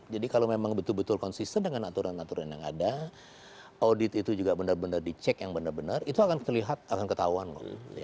jadi kalau memang betul betul konsisten dengan aturan aturan yang ada audit itu juga benar benar dicek yang benar benar itu akan terlihat akan ketahuan loh